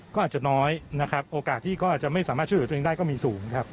ก็อาจจะน้อยนะครับโอกาสที่ก็จะไม่สามารถช่วยเหลือตัวเองได้ก็มีสูงครับ